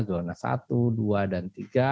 zona satu dua dan tiga